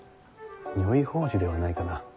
如意宝珠ではないかな。